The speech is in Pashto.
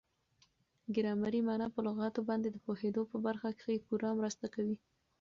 ګرامري مانا په لغاتو باندي د پوهېدو په برخه کښي پوره مرسته کوي.